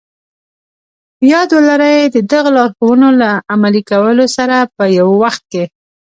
په ياد ولرئ د دغو لارښوونو له عملي کولو سره په يوه وخت کې.